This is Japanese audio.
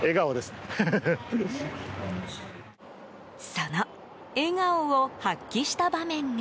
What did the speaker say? その笑顔を発揮した場面が。